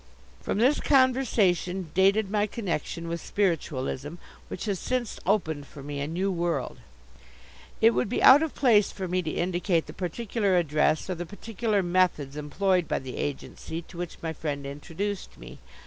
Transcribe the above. From this conversation dated my connection with Spiritualism, which has since opened for me a new world. It would be out of place for me to indicate the particular address or the particular methods employed by the agency to which my Friend introduced me.